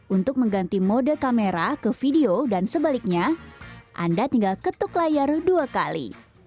untuk mengganti mode kamera ke video dan sebaliknya anda tinggal ketuk layar dua kali